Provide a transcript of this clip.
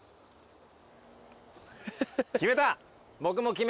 ・決めた。